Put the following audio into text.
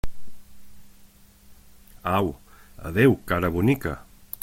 Au, adéu, cara bonica!